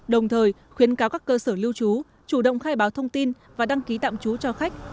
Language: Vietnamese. đồng thời khuyến cáo các cơ sở lưu trú chủ động khai báo thông tin và đăng ký tạm trú cho khách